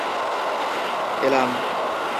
এলাম!